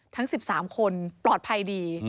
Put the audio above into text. ทั้ง๑๓คนปลอดภัยดี